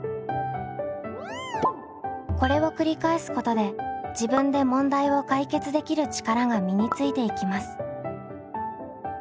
これを繰り返すことで「自分で問題を解決できる力」が身についていきます。